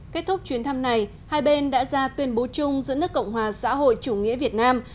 kết thúc chuyến thăm này hai bên đã ra tuyên bố chung giữa nước cộng hòa xã hội chủ nghĩa việt nam